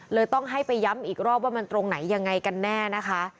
ต้องให้ไปย้ำอีกรอบว่ามันตรงไหนยังไงกันแน่นะคะ